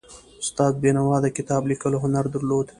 استاد بینوا د کتاب لیکلو هنر درلود.